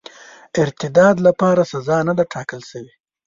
ارتداد لپاره سزا نه ده ټاکله سوې.